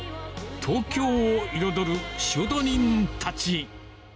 東京を彩る仕事人たち。